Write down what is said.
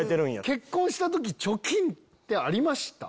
結婚した時貯金ってありました？